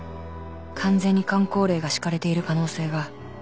完全にかん口令が敷かれている可能性が